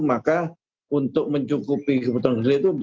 maka untuk mencukupi kebutuhan listrik itu